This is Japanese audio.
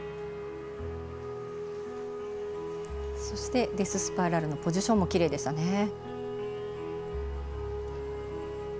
そして、デススパイラルのポジションもきれいでしたね。